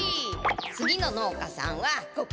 次の農家さんはここね。